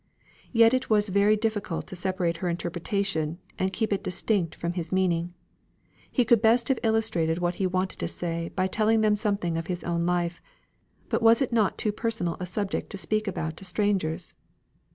Yet it was very difficult to separate her interpretation, and keep it distinct from his meaning. He could best have illustrated what he wanted to say by telling them something of his own life; but was it not too personal a subject to speak about to strangers?